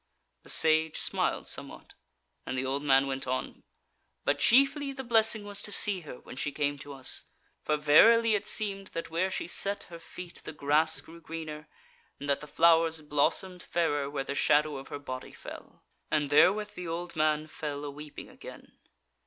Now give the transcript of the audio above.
The Sage smiled somewhat, and the old man went on: "But chiefly the blessing was to see her when she came to us: for verily it seemed that where she set her feet the grass grew greener, and that the flowers blossomed fairer where the shadow of her body fell." And therewith the old man fell a weeping again.